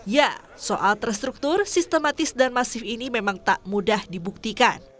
ya soal terstruktur sistematis dan masif ini memang tak mudah dibuktikan